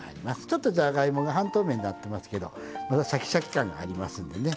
ちょっとじゃがいもが半透明になってますけどまだシャキシャキ感がありますんでね。